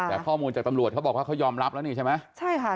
แต่ตำรวจเขาบอกว่าเขายอมรับแล้วนี่ใช่ไหม